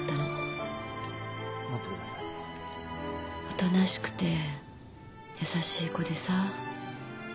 おとなしくて優しい子でさ。